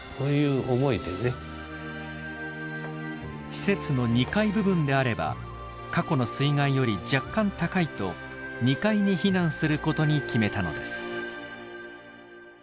施設の２階部分であれば過去の水害より若干高いと２階に避難することに決めたのです。